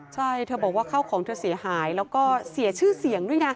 ใช่เธอบอกว่าเข้าของเธอเสียหายแล้วก็เสียชื่อเสียงด้วยนะ